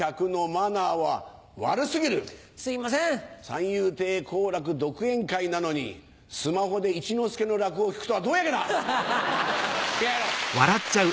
三遊亭好楽独演会なのにスマホで一之輔の落語を聴くとはどういうわけだ！